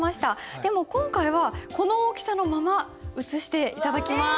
でも今回はこの大きさのまま写して頂きます。